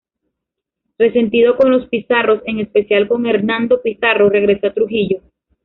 Resentido con los Pizarro, en especial con Hernando Pizarro, regresó a Trujillo.